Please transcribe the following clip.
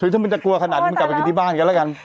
คือถ้ามันจะกลัวขนาดนี้มึงกลับไปกินที่บ้านกันแล้วกัน